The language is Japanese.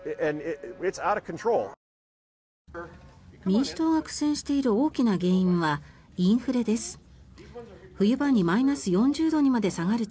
民主党が苦戦している大きな原因はインフレです。